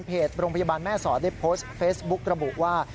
โรงพยาบาลแม่สอดได้โพสต์เฟซบุ๊กระบุว่า